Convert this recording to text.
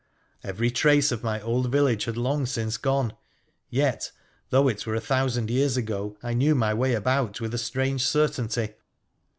Every trace of my old village had long since gone ; yet, though it were a thousand years ago I knew my way about with a strange certainty.